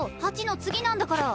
８の次なんだから。